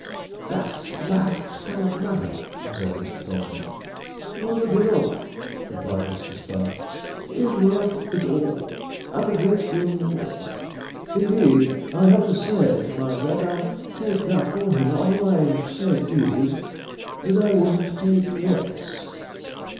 'That's a vast sum of money,' observed Mr. Thornton. 'Not a bit on't,' replied Mr. Sponge. 'He's worth it all, and a great deal more. Indeed, I haven't said, mind that, I'll take that for him; all I've said is, that I wouldn't take less.'